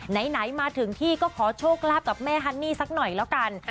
ไหนมาถึงที่ก็ขอโชคลาภกับแม่ฮันนี่สักหน่อยแล้วกัน